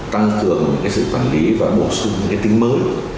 tăng cường sự quản lý và bổ sung những tính mới